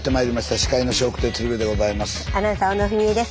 司会のアナウンサー小野文惠です。